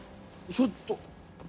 ちょっと。